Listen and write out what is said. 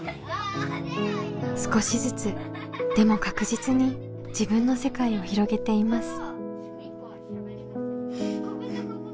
少しずつでも確実に自分の世界を広げています。